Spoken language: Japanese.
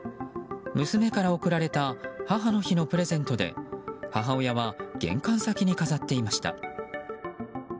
娘から贈られた母の日のプレゼントで母親は玄関先に飾っていました。